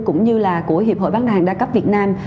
cũng như là của hiệp hội bán hàng đa cấp việt nam